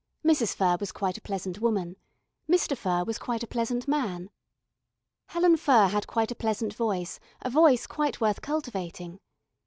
Mrs. Furr was quite a pleasant woman. Mr. Furr was quite a pleasant man. Helen Furr had quite a pleasant voice a voice quite worth cultivating.